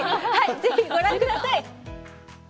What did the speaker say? ぜひご覧ください。